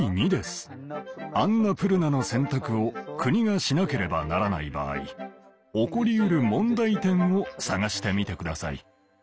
アンナプルナの選択を国がしなければならない場合起こりうる問題点を探してみてください。